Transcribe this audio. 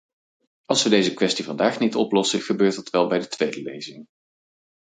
Als we deze kwestie vandaag niet oplossen, gebeurt dat wel bij de tweede lezing.